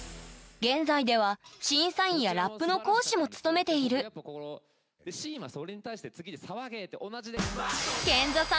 現在では審査員やラップの講師も務めているそれに対して。